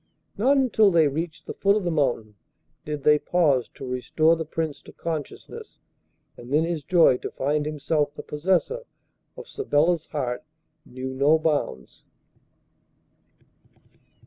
Not until they reached the foot of the mountain did they pause to restore the Prince to consciousness, and then his joy to find himself the possessor of Sabella's heart knew no bounds.